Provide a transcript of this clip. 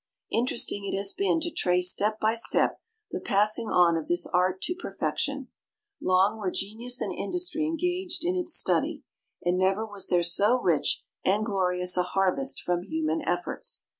Interesting it has been to trace step by step the passing on of this art to perfection. Long were genius and industry engaged in its study, and never was there so rich and glorious a harvest from human efforts.